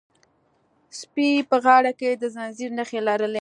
سپي په غاړه کې د زنځیر نښې لرلې.